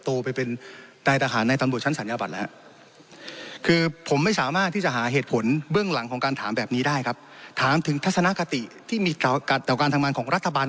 ขอบคุณมากครับขอบคุณมากครับ